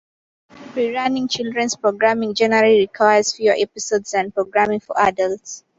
Rerunning children's programming generally requires fewer episodes than programming for adults.